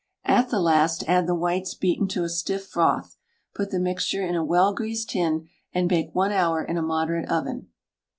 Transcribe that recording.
At the last add the whites beaten to a stiff froth. Put the mixture in a well greased tin, and bake 1 hour in a moderate oven.